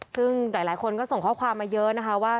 ซึ่งหลายคนก็ส่งข้อความมาเยอะนะคะว่า